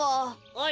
おい！